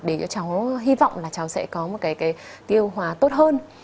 để cho cháu hy vọng là cháu sẽ có một cái tiêu hòa tốt hơn